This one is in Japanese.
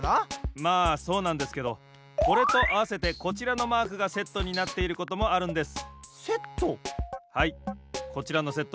まあそうなんですけどこれとあわせてこちらのマークがセットになっていることもあるんです。セット？